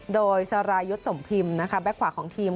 โดยสรายุทธ์สมพิมพ์นะคะแบ็คขวาของทีม